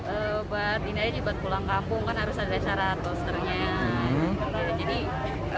obat ini aja buat pulang kampung kan harus ada cara posternya